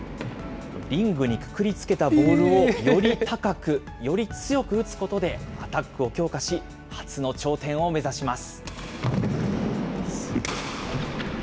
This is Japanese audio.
リングにくくりつけたボールをより高く、より強く打つことで、アタックを強化し、初の頂点を目指します。